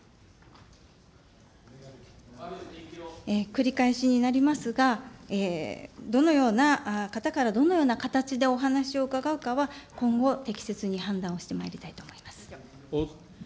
繰り返しになりますが、どのような方から、どのような形でお話を伺うかは、今後、適切に判断をしてまいりたいと思います。